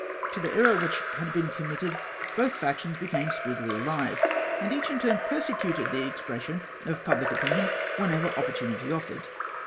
To the error which had been committed both factions became speedily alive, and each in turn persecuted the expression of pubhc opinion when ever opportunity offered.